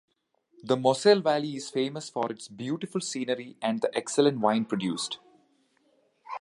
The Moselle valley is famous for its beautiful scenery and the excellent wine produced.